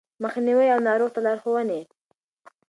مخنيوی او ناروغ ته لارښوونې